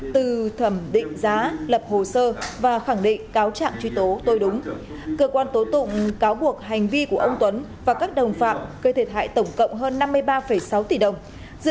từ thẩm định giá lập hồ sơ và khẳng định cáo trạng truy tố tôi đúng cơ quan tố tụng cáo buộc hành vi của ông tuấn và các đồng phạm gây thiệt hại tổng cộng hơn năm mươi ba sáu tỷ đồng dự kiến phiên tòa diễn ra trong năm ngày